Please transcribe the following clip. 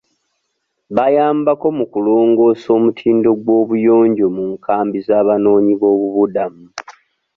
Bayambako mu kulongoosa omutindo gw'obuyonjo mu nkambi z'abanoonyi b'obubuddamu.